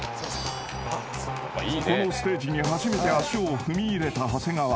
［このステージに初めて足を踏み入れた長谷川］